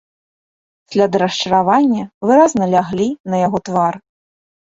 Сляды расчаравання выразна ляглі на яго твар.